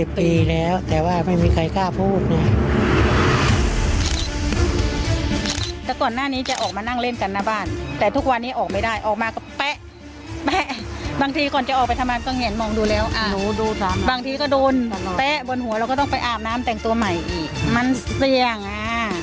ออกไม่ได้ออกมาก็แปะแปะบางทีก่อนจะออกไปทำงานก็เห็นมองดูแล้วบางทีก็โดนแปะบนหัวเราก็ต้องไปอาบน้ำแต่งตัวใหม่อีกมันเสี่ยงอ่ะ